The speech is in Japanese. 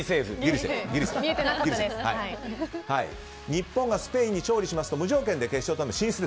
日本がスペインに勝利しますと無条件で進出。